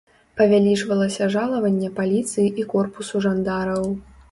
Павялічвалася жалаванне паліцыі і корпусу жандараў.